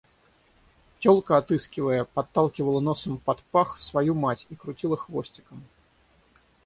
Телка, отыскивая, подталкивала носом под пах свою мать и крутила хвостиком.